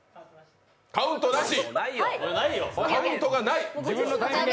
カウントなし！